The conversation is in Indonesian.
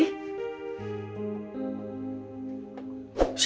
assalamualaikum ya sih